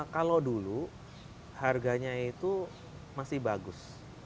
kalau dulu harganya itu masih bagus